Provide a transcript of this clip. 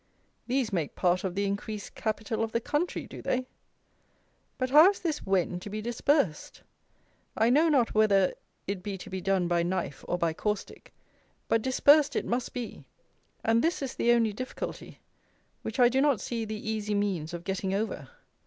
These make part of the increased capital of the country, do they? But how is this Wen to be dispersed? I know not whether it be to be done by knife or by caustic; but, dispersed it must be! And this is the only difficulty, which I do not see the easy means of getting over.